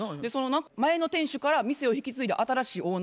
「前の店主から店を引き継いだ新しいオーナーです。